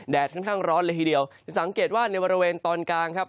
ค่อนข้างร้อนเลยทีเดียวจะสังเกตว่าในบริเวณตอนกลางครับ